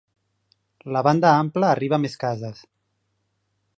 La banda ampla arriba a més cases.